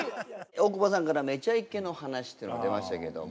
大久保さんから「めちゃイケ」の話っていうのが出ましたけども。